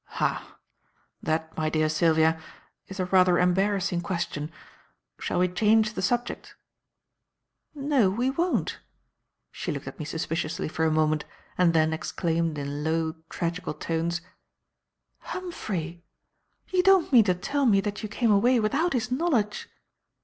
"Ha that, my dear Sylvia, is a rather embarrassing question. Shall we change the subject?" "No, we won't." She looked at me suspiciously for a moment and then exclaimed in low, tragical tones: "Humphrey! You don't mean to tell me that you came away without his knowledge!"